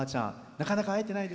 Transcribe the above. なかなか会えてないと。